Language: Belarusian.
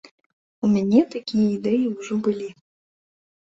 У мяне такія ідэі ўжо былі.